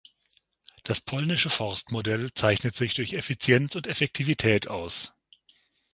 Das polnische Forstmodell zeichnet sich durch Effizienz und Effektivität aus.